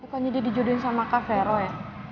bukannya dia dijodohin sama kak vero ya